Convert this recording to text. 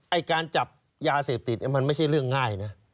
ไอ้การจับยาเสพติดมันไม่ใช่เรื่องง่ายนะ